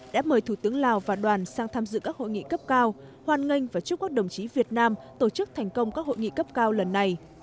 đã mời thủ tướng lào và đoàn sang tham dự các hội nghị cấp cao hoan nghênh và chúc các đồng chí việt nam tổ chức thành công các hội nghị cấp cao lần này